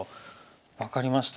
分かりました。